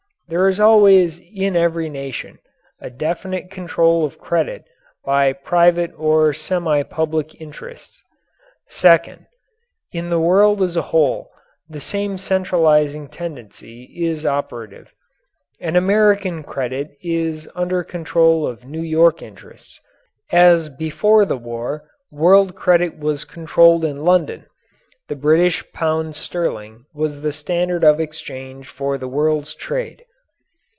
There is always in every nation a definite control of credit by private or semi public interests. Second: in the world as a whole the same centralizing tendency is operative. An American credit is under control of New York interests, as before the war world credit was controlled in London the British pound sterling was the standard of exchange for the world's trade.